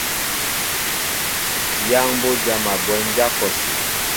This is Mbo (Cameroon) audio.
Yaŋ mbo jama bwémdja kɔsí.